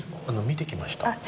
あの見てきました。